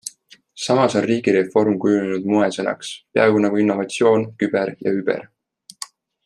Samas on riigireform kujunenud moesõnaks, peaaegu nagu innovatsioon, küber ja über.